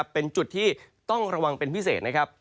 เป็นจุดที่ต้องระวังเป็นพิเศษนะครับ